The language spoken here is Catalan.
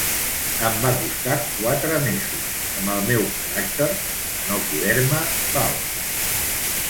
Em va costar quatre mesos, amb el meu caràcter, de no poder-me valdre.